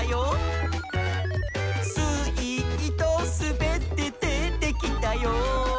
「スイーッとすべってでてきたよ」